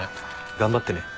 頑張ってね。